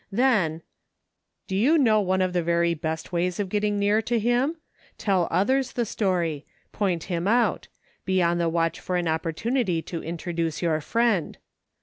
Then :" Do you know one of the very best ways of getting near to Him .'* Tell others the story. Point Him out ; be on the watch for an opportunity to introduce your friend.